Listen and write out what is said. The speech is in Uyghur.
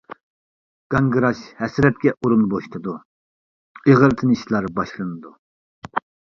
گاڭگىراش ھەسرەتكە ئورۇن بوشىتىدۇ، ئېغىر تىنىشلار باشلىنىدۇ.